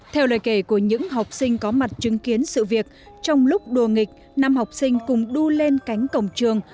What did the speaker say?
theo lời kể của những học sinh có mặt chứng kiến sự việc trong lúc đua nghịch năm học sinh cùng đua lên cánh cổng trường